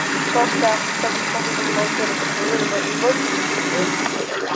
Sostak subsequently relocated to Peru where he worked as a teacher.